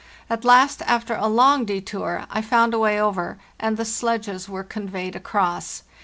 At last, after a long detour, I found a way over; and the sledges were conveyed across.